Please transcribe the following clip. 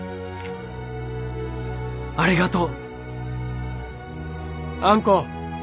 ありがとう。